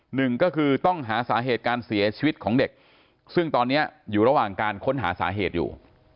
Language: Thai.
หนึ่งก็คือต้องหาสาเหตุการเสียชีวิตของเด็กซึ่งตอนนี้อยู่ระหว่างการค้นหาสาเหตุอยู่